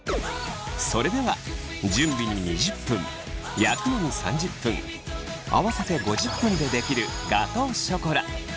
それでは準備に２０分焼くのに３０分合わせて５０分でできるガトーショコラ。